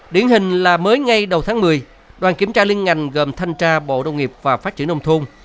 điển hình là mới ngay đầu tháng một mươi đoàn kiểm tra liên ngành gồm thanh tra bộ đông nghiệp và phát triển nông thôn